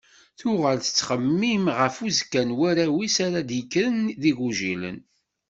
Tuɣal tettxemmim ɣef uzekka n warraw-is ara d-yekkren d igujilen.